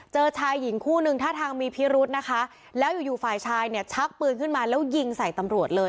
ชายหญิงคู่นึงท่าทางมีพิรุธนะคะแล้วอยู่อยู่ฝ่ายชายเนี่ยชักปืนขึ้นมาแล้วยิงใส่ตำรวจเลย